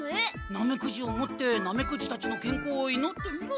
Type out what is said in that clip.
ナメクジを持ってナメクジたちのけんこうをいのってみろ。